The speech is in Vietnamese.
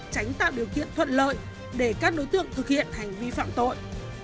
tránh tạo điều kiện thuận lợi để các đối tượng thực hiện hành vi phạm tội